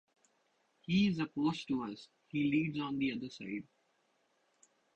He’s opposed to us; he leads on the other side.